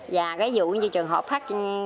và cái vụ như trường hợp phát triển